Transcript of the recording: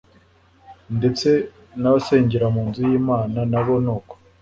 ndetse n’abasengera mu nzu y’Imana nabo ni uko.